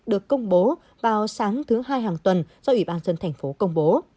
được công bố vào sáng thứ hai hàng tuần do ủy ban dân thành phố công bố